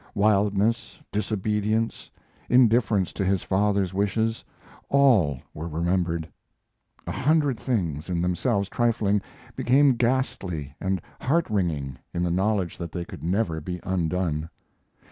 Wildness, disobedience, indifference to his father's wishes, all were remembered; a hundred things, in themselves trifling, became ghastly and heart wringing in the knowledge that they could never be undone.